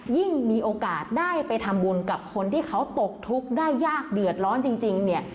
ยิ่งมีโอกาสได้ไปทำบุญกับคนที่เขาตกทุกข์ได้ยากเดือดร้อนจริงเนี่ย